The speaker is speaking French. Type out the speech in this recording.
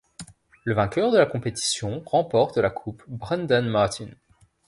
Le vainqueur de la compétition remporte la Coupe Brendan Martin.